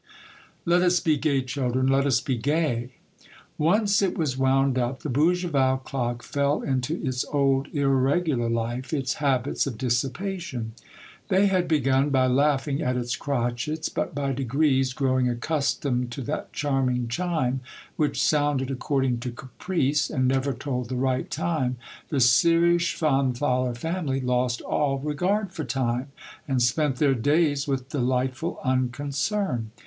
" "LET US BE GAY, CHILDREN, LET US BE GAY !» Once it was wound up, the Bougival clock fell into its old, irregular life, its habits of dissipation. 5 66 Monday Tales, They had begun by laughing at its crotchets, but by degrees, growing accustomed to that charming chime, which sounded according to caprice and never told the right time, the serious Schwanthaler family lost all regard for time, and spent their days with delightful unconcern.